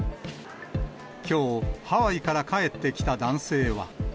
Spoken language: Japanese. きょう、ハワイから帰ってきた男性は。